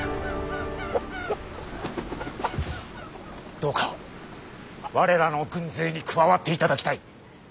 どうか我らの軍勢に加わっていただきたい。